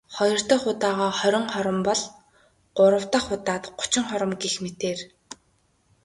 Хоёр дахь удаагаа хорин хором бол.. Гурав дахь удаад гучин хором гэх мэтээр.